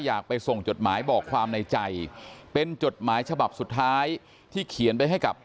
อยากไปส่งจดหมายบอกความในใจเป็นจดหมายฉบับสุดท้ายที่เขียนไปให้กับ